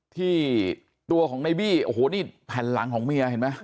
ที่ตัวของในบี้โอ้โหนี่แผ่นหลังของเมียเห็นไหม